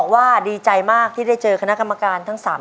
เด้อหล่อหล่อใช้ได้ครับ